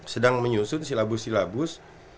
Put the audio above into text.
sedang menyusun silabus silabus